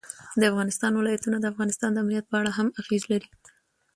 د افغانستان ولايتونه د افغانستان د امنیت په اړه هم اغېز لري.